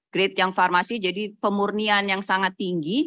grade yang farmasi jadi pemurnian yang sangat tinggi